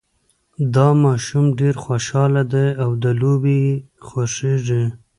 دا ماشوم ډېر خوشحاله ده او لوبې یې خوښیږي